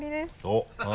おっ！